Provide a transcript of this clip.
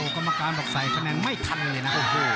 กรมการช์บอกว่าใส่ขนาดไม่ทันเลยนะ